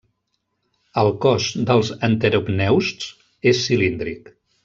El cos dels enteropneusts és cilíndric.